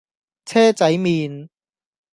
車仔麪